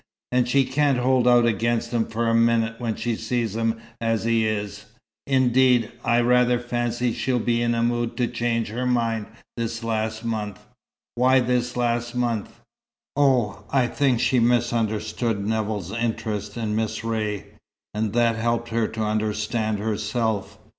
"And she can't hold out against him for a minute when she sees him as he is. Indeed, I rather fancy she's been in a mood to change her mind this last month." "Why this last month?" "Oh, I think she misunderstood Nevill's interest in Miss Ray, and that helped her to understand herself.